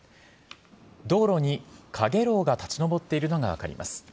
道路にかげろうが立ち上っているのが分かります。